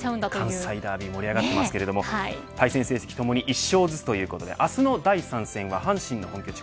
関西ダービー盛り上がっていますけど対戦成績ともに１勝ずつということで、明日の第３戦は阪神の本拠地